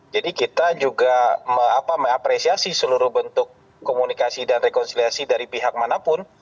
kita juga mengapresiasi seluruh bentuk komunikasi dan rekonsiliasi dari pihak manapun